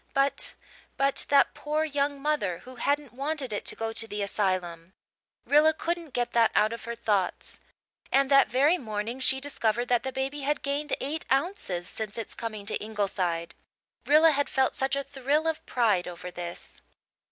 But but that poor young mother who hadn't wanted it to go to the asylum! Rilla couldn't get that out of her thoughts. And that very morning she discovered that the baby had gained eight ounces since its coming to Ingleside. Rilla had felt such a thrill of pride over this.